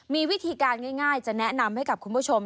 มีวิธีการง่ายจะแนะนำให้กับคุณผู้ชม